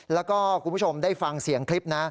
แล้วก็คุณผู้ชมได้ฟังเสียงคลิปนะ